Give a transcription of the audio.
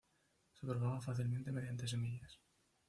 Se propaga fácilmente mediante semillas.